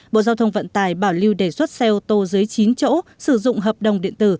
bộ giao thông vận tải bảo lưu đề xuất xe ô tô dưới chín chỗ sử dụng hợp đồng điện tử